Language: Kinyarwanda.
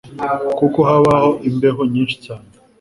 kuko haba imbeho nyinshi cyane.